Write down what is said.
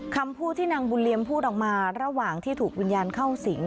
คำพูดที่นางบุญเลียมพูดออกมาระหว่างที่ถูกวิญญาณเข้าสิง